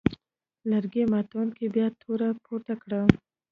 لرګي ماتوونکي بیا توره پورته کړه.